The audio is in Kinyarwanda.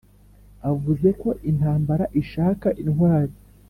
Avuze ko intambara ishaka intwari